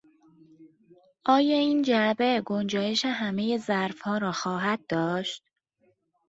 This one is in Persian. آیا این جعبه گنجایش همهی ظرفها را خواهد داشت؟